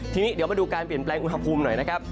ทีนี้เดี๋ยวมาดูการเปลี่ยนแปลงอุณหภูมิหน่อยนะครับ